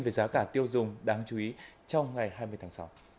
về giá cả tiêu dùng đáng chú ý trong ngày hai mươi tháng sáu